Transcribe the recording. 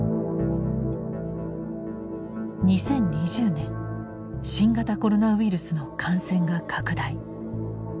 ２０２０年新型コロナウイルスの感染が拡大。